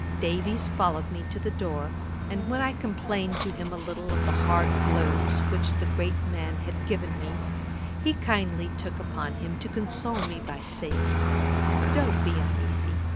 Davies followed me to the door, and when I complained to him a little of the hard blows which the great man had given me, he kindly took upon him to console me by saying, 'Don't be uneasy.